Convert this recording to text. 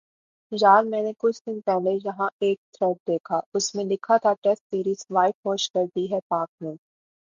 یار میں نے کچھ دن پہلے یہاں ایک تھریڈ دیکھا اس میں لکھا تھا ٹیسٹ سیریز وائٹ واش کر دی ہے پاک نے